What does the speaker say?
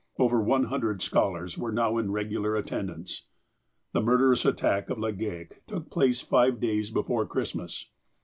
Over one hundred scholars were now in regular attendance. The murderous attack of Legale took place five days before Christmas.